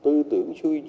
tôi tưởng suy nghĩ